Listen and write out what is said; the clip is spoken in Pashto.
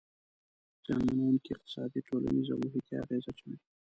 زیانمنووونکي اقتصادي، ټولنیز او محیطي اغیز اچوي.